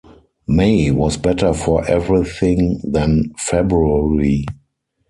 May was better for everything than February.